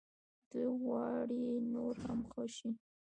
دوی غواړي نور هم ښه شي.